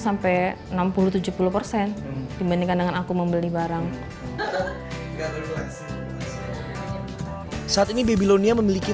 sampai enam puluh tujuh puluh persen dibandingkan dengan aku membeli barang saat ini babylonia memiliki